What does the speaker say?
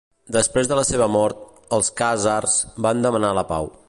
Després de la seva mort, els khàzars van demanar la pau.